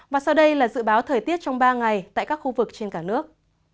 và sau đây là dự báo thời tiết trong ba ngày tại các khu vực trên cả nước